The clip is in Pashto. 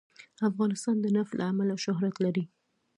افغانستان د نفت له امله شهرت لري.